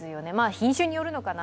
品種によるのかな？